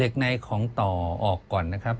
ในของต่อออกก่อนนะครับ